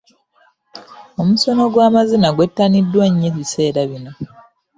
Omusono gw'amazina gwettaniddwa nnyo ebiseera bino.